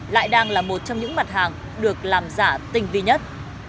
lại đang là một trong những mặt hàng được làm giả tinh vi nhất